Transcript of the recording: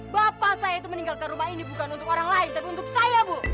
bapak saya itu meninggalkan rumah ini bukan untuk orang lain dan untuk saya bu